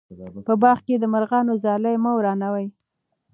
په باغ کې د مرغانو ځالې مه ورانوئ.